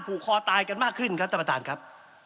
ผูกคอตายกันมากขึ้นครับท่านประธานครับ